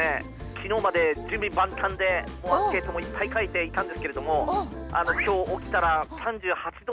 昨日まで準備万端でもうアンケートもいっぱい書いていたんですけれどもあら大丈夫？